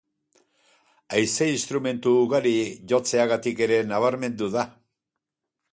Haize instrumentu ugari jotzeagatik ere nabarmena da.